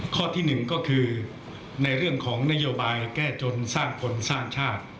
ข้อที่๑ก็คือในเรื่องของนโยบายแก้จนสร้างคนสร้างชาติ